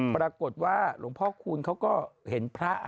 ปรากฏว่าหลวงพ่อคูณเขาก็เห็นพระ